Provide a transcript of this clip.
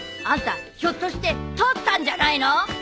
あんたひょっとして取ったんじゃないの？